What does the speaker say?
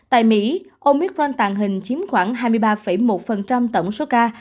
tại mỹ omicron tàng hình chiếm khoảng hai mươi ba một tổng số ca